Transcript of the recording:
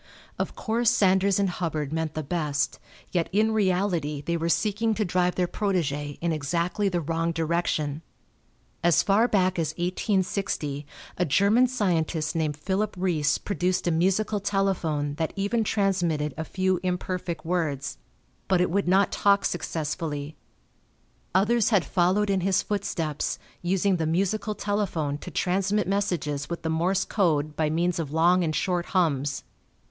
Of course Sanders and Hubbard meant the best, yet in reality they were seeking to drive their protégé in exactly the wrong direction. As far back as 1860 a German scientist named Philipp Reis produced a musical telephone that even transmitted a few imperfect words. But it would not talk successfully. Others had followed in his footsteps, using the musical telephone to transmit messages with the Morse code by means of long and short hums.